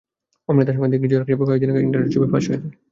অমৃতার সঙ্গে দিগ্বিজয়ের একটি ছবি কয়েক দিন আগে ইন্টারনেটে ফাঁস হয়ে যায়।